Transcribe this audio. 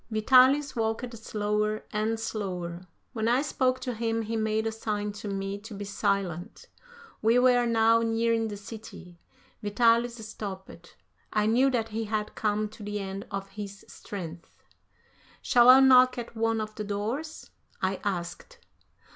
Vitalis walked slower and slower; when I spoke to him he made a sign to me to be silent. We were now nearing the city. Vitalis stopped. I knew that he had come to the end of his strength. "Shall I knock at one of the doors?" I asked.